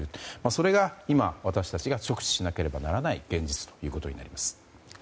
それが私たちが直視しなくてはいけない現実ということになります。